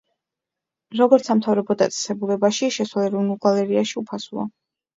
როგორც სამთავრობო დაწესებულებაში, შესვლა ეროვნულ გალერეაში უფასოა.